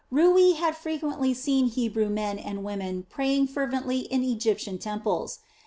Rui had frequently seen Hebrew men and women praying fervently in Egyptian temples.